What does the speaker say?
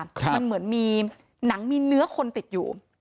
มันเหมือนมีหนังมีเนื้อคนติดอยู่